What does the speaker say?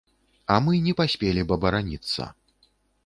А мы не паспелі б абараніцца.